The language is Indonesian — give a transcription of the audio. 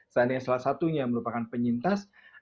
seandainya salah satunya merupakan penyintas